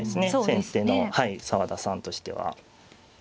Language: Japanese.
先手の澤田さんとしては。